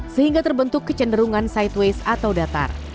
sehingga terbentuk kecenderungan sideways atau datar